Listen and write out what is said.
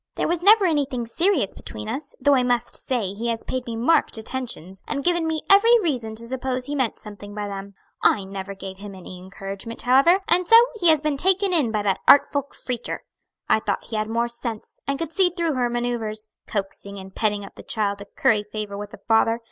There was never anything serious between us, though I must say he has paid me marked attentions, and given me every reason to suppose he meant something by them. I never gave him any encouragement, however; and so he has been taken in by that artful creature. I thought he had more sense, and could see through her manoeuvers coaxing and petting up the child to curry favor with the father!